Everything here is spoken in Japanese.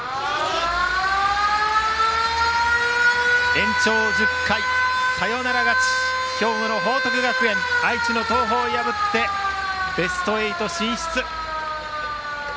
延長１０回サヨナラ勝ち兵庫の報徳学園が愛知の東邦を破ってベスト８進出。